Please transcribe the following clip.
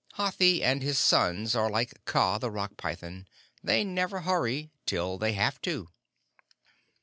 Hathi and his sons are like Kaa, the Rock Python. They never hurry till they have to.